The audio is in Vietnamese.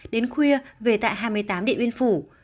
đến khuya về tại hai mươi tám địa uyên phủ